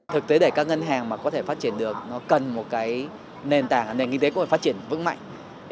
thực tế để các ngân hàng mà có thể phát triển được nó cần một nền tảng nền kinh tế có thể phát triển vững mạnh